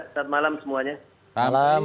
selamat malam semuanya